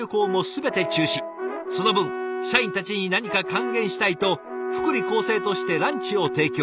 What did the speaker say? その分社員たちに何か還元したいと福利厚生としてランチを提供。